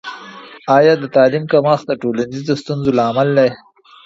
آیا د تعلیم کمښت د ټولنیزو ستونزو لامل دی؟